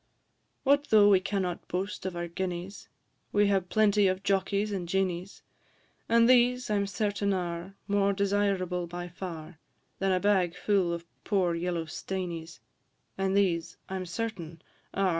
What though we cannot boast of our guineas? We have plenty of Jockies and Jeanies; And these, I 'm certain, are More desirable by far Than a bag full of poor yellow steinies; And these, I am certain, are, &c.